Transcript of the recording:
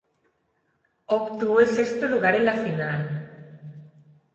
Obtuvo el sexto lugar en la final.